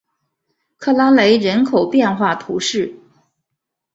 克拉雷人口变化图示